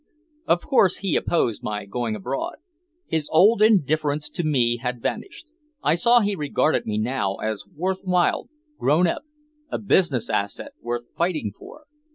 Of course he opposed my going abroad. His old indifference to me had vanished, I saw he regarded me now as worth while, grown up, a business asset worth fighting for.